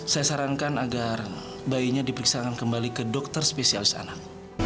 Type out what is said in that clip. saya sarankan agar bayinya diperiksakan kembali ke dokter spesialis anak